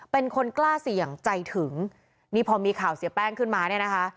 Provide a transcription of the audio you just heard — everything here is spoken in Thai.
เป็นคนกล้าเสี่ยงใจถึงนี่พอมีข่าวเสียแป้งขึ้นมาเนี่ยนะคะ